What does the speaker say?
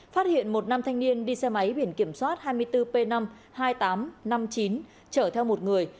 phát hiện một năm thanh niên đi xe máy biển kiểm soát hai mươi bốn p năm hai mươi tám năm mươi chín trở theo một người